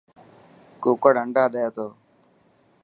ڪوڪڙ انڊا ڏي تو.